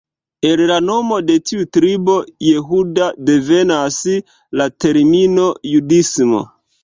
El la nomo de tiu tribo, Jehuda, devenas la termino "judismo".